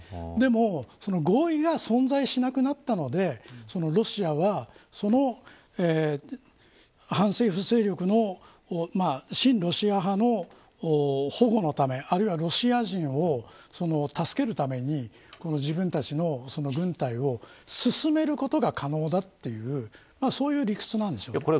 でも、その合意が存在しなくなったのでロシアは反政府勢力の親ロシア派の保護のためあるいはロシア人を助けるために自分たちの軍隊を進めることが可能だというそういう理屈なんでしょう。